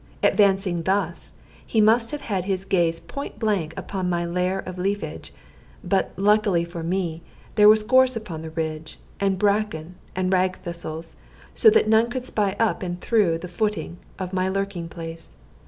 Advancing thus, he must have had his gaze point blank upon my lair of leafage; but, luckily for me, there was gorse upon the ridge, and bracken and rag thistles, so that none could spy up and through the footing of my lurking place.